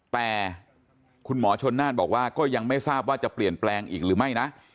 แต่คุณหมอชนน่านบอกว่าก็ยังไม่ทราบว่าจะเปลี่ยนแปลงอีกหรือไม่นะ